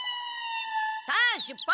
さあ出発！